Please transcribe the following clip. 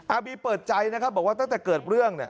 บีเปิดใจนะครับบอกว่าตั้งแต่เกิดเรื่อง